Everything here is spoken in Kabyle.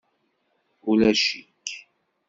Ulac-ik.